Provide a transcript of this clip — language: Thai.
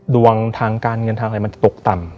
ดวงทางการเงินทางอะไรมันจะตกต่ำ